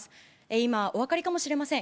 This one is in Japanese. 今、お分かりかもしれません。